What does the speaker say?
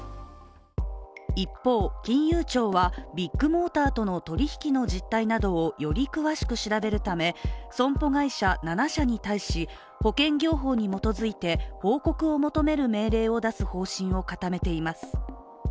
一方、金融庁はビッグモーターとの取引の実態などをより詳しく調べるため、損保会社７社に対し、保険業法に基づいて報告を求める命令を出す方針を固めています。